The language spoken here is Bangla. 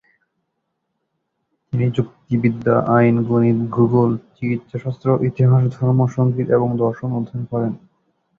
তিনি যুক্তিবিদ্যা, আইন, গণিত, ভূগোল, চিকিৎসাশাস্ত্র, ইতিহাস, ধর্ম, সঙ্গীত এবং দর্শন অধ্যয়ন করেন।